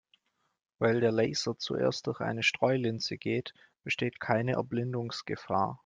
Weil der Laser zuerst durch eine Streulinse geht, besteht keine Erblindungsgefahr.